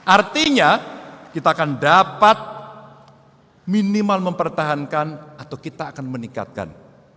artinya kita akan dapat minimal mempertahankan atau kita akan meningkatkan